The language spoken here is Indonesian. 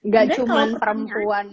gak cuma perempuan